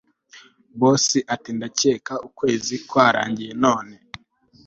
Boss atindakeka ukwezi kwarangiye none